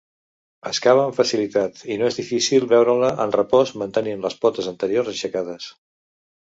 Excava amb facilitat i no és difícil veure-la en repòs mantenint les potes anteriors aixecades.